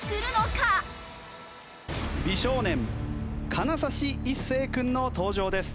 美少年金指一世君の登場です。